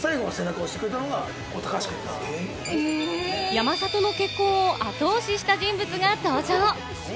山里の結婚を後押しした人物が登場。